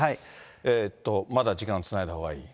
まだ時間つないだほうがいい？